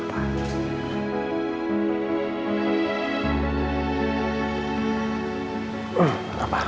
jadi kalo nino gak ada ya gak apa apa